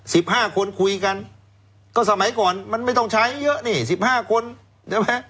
สิบห้าคนคุยกันก็สมัยก่อนมันไม่ต้องใช้เยอะนี่สิบห้าคนใช่ไหม